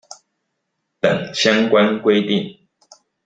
等相關規定